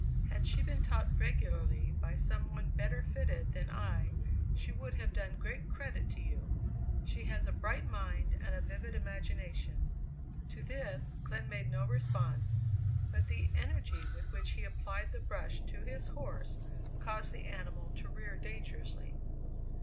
"Had she been taught regularly by some one better fitted than I she would have done great credit to you. She has a bright mind and a vivid imagination." To this Glenn made no response, but the energy with which he applied the brush to his horse caused the animal to rear dangerously.